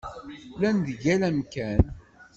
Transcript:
Llan deg yal amkan.